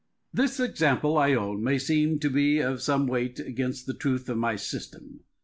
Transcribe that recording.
Machiavel. This example, I own, may seem to be of some weight against the truth of my system.